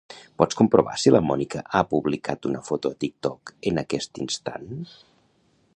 Pots comprovar si la Mònica ha publicat una foto a TikTok en aquest instant?